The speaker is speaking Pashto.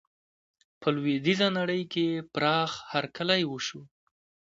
په لویدیزه نړۍ کې یې پراخه هرکلی وشو.